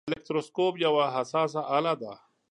الکتروسکوپ یوه حساسه آله ده.